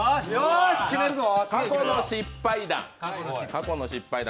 過去の失敗談。